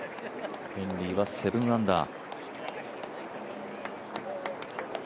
ヘンリーは７アンダー。